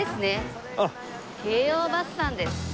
京王バスさんです。